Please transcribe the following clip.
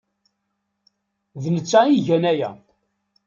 D netta ay igan aya.